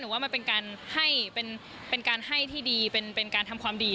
ว่ามันเป็นการให้เป็นการให้ที่ดีเป็นการทำความดี